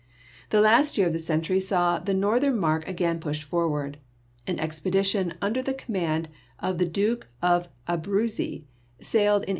The last year of the century saw the northern mark again pushed forward. An expedition under the com mand of the Duke of the Abruzzi sailed in 1899.